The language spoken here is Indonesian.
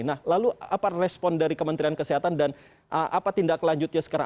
nah lalu apa respon dari kementerian kesehatan dan apa tindak lanjutnya sekarang